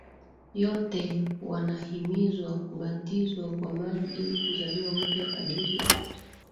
yote wanahimizwa kubatizwa kwa maji ili kuzaliwa upya kadiri ya